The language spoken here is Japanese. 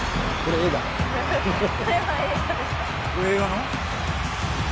映画の？